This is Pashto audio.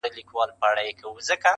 • هره شېبه درس د قربانۍ لري -